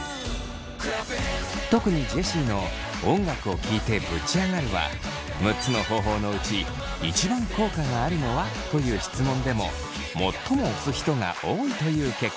特にジェシーの「音楽を聴いてぶち上がる」は６つの方法のうち一番効果があるのは？という質問でも最も推す人が多いという結果に。